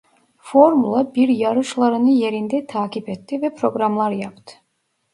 Formula bir yarışlarını yerinde takip etti ve programlar yaptı.